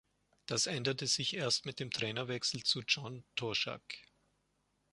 Das änderte sich erst mit dem Trainerwechsel zu John Toshack.